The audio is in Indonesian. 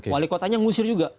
wali kotanya ngusir juga